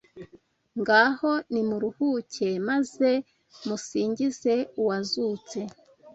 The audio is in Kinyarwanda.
Ngaho nimuruhuke, maaze musingize Uwazutse